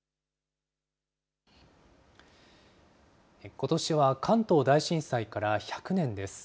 ことしは、関東大震災から１００年です。